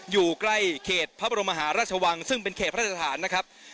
อยู่ใกล้เขตพระบรมมหาราชวังซึ่งเป็นเขตพระราชฐานนะครับ